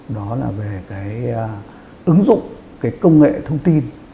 đó là về ứng dụng công nghệ thông tin